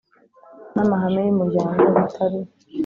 n amahame y Umuryango bitari